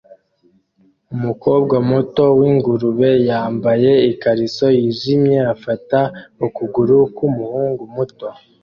Umukobwa muto w'ingurube yambaye ikariso yijimye afata ukuguru k'umuhungu muto